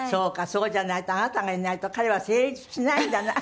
そうじゃないとあなたがいないと彼は成立しないんだな。